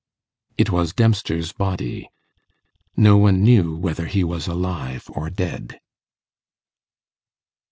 It was Dempster's body. No one knew whether he was alive or dead.